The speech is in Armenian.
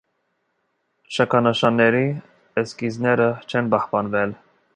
Շքանշանների էսկիզները չեն պահպանվել։